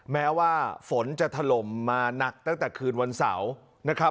แม้ว่าฝนจะถล่มมาหนักตั้งแต่คืนวันเสาร์นะครับ